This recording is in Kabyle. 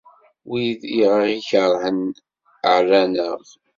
Wid i aɣ-ikerhen ɛerran-aɣ.